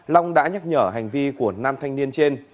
long đã nhắc nhở hành vi của nam thanh niên trên